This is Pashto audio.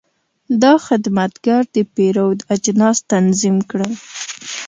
دا خدمتګر د پیرود اجناس تنظیم کړل.